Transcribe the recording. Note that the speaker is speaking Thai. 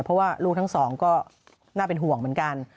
เพราะว่าลูกทั้งสองก็น่าเป็นห่วงเหมือนกัน